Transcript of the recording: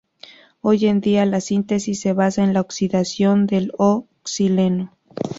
Hoy en día la síntesis se basa en la oxidación del "o"-xileno.